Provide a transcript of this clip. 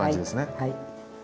はい。